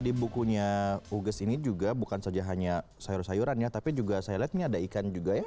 di bukunya uges ini juga bukan saja hanya sayur sayuran ya tapi juga saya lihat ini ada ikan juga ya